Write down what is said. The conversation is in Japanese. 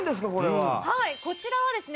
はいこちらはですね